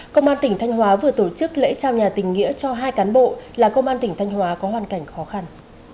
công an tỉnh thanh hóa vừa tổ chức lễ trao nhà tình nghĩa cho hai cán bộ là công an tỉnh thanh hóa có hoàn cảnh khó khăn